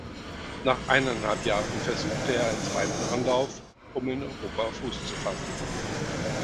Nach eineinhalb Jahren versuchte er einen zweiten Anlauf, um in Europa Fuß zu fassen.